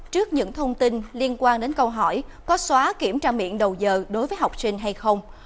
trước những thông tin liên quan đến câu hỏi có xóa kiểm tra miệng đầu giờ đối với học sinh hay không